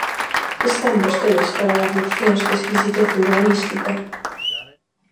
Están vostedes para dar leccións de exquisitez urbanística.